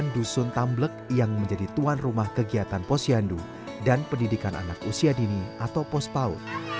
dusun tamblek yang menjadi tuan rumah kegiatan posyandu dan pendidikan anak usia dini atau pospau